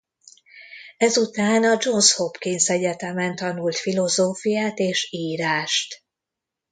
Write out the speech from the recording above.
Ezután a Johns Hopkins Egyetemen tanult filozófiát és írást.